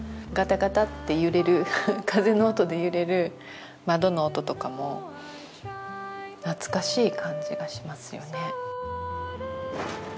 ガタガタって揺れる風の音で揺れる窓の音とかも懐かしい感じがしますよね。